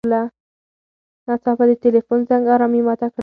ناڅاپه د تیلیفون زنګ ارامي ماته کړه.